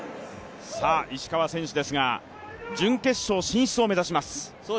石川選手ですが、準決勝進出を目指します。